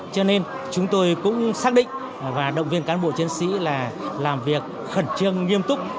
cho nên chúng tôi cũng xác định và động viên cán bộ chiến sĩ là làm việc khẩn trương nghiêm túc